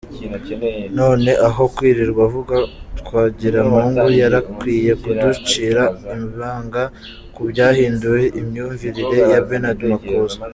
None aho kwirirwa avuga Twagiramungu yarakwiye kuducira ibanga kubyahinduye imyumvirire ya Bernard Makuza .